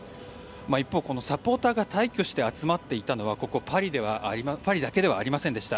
一方、サポーターが大挙して集まっていたのはここ、パリだけではありませんでした。